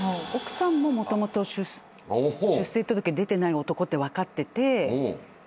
奥さんももともと出生届出てない男って分かってて。